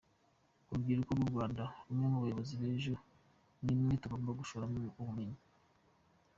Urubyiruko rw’u Rwanda nimwe bayobozi b’ejo; nimwe tugomba gushoramo ubumenyi”.